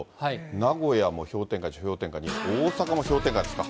名古屋も氷点下、氷点下２、大阪も氷点下ですか。